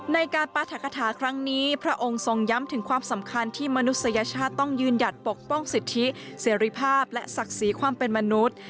ในการปรัฐกฐาครั้งนี้พระองค์ทรงย้ำถึงความสำคัญที่มนุษยชาติต้องยืนหยัดปกป้องสิทธิเสรีภาพและศักดิ์ศรีความเป็นมนุษย์